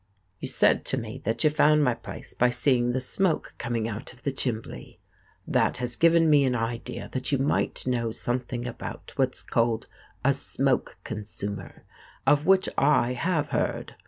You said to me that you found my place by seeing the smoke coming out of the chimbley; that has given me an idea that you might know something about what's called a smoke consumer of which I have heard.